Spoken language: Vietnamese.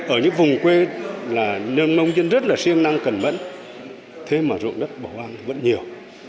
ở những vùng quê là nông dân rất là siêng năng cần mẫn thế mà rụng đất bỏ hoang vẫn nhiều